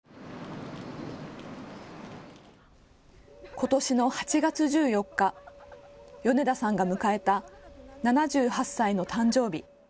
ことしの８月１４日、米田さんが迎えた７８歳の誕生日。